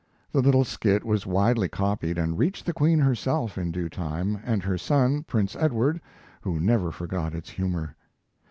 The little skit was widely copied and reached the Queen herself in due time, and her son, Prince Edward, who never forgot its humor.